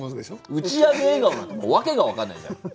「打ち上げ笑顔」なんて訳が分かんないじゃん。